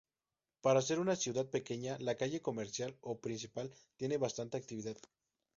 Para ser una ciudad pequeña, la calle comercial o principal tiene bastante actividad.